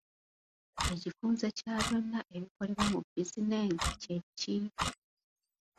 Ekifunze kya byonna ebikolebwa mu bizinensi kye ki?